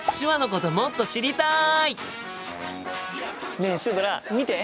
ねえシュドラ見て！